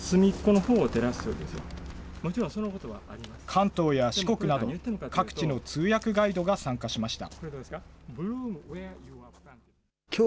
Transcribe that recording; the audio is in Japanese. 関東や四国など、各地の通訳ガイドが参加しました。